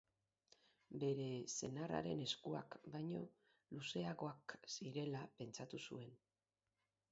Bere senarraren eskuak baino luzeagoak zirela pentsatu zuen.